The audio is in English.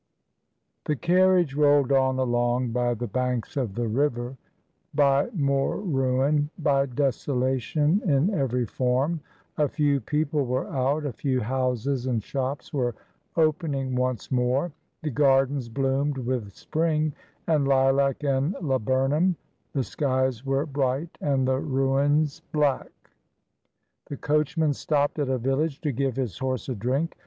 The carriage rolled on along by the banks of the river, by more ruin, by desolation in every form; a few people were out, a few houses and shops were opening once more; the gardens bloomed with spring, and lilac, and laburnum; the skies were bright, and the ruins black. The coachman stopped at a village to give his horse a drink.